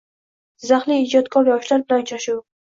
Jizzaxlik ijodkor yoshlar bilan uchrashuv